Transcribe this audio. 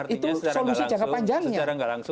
itu solusi jangka panjangnya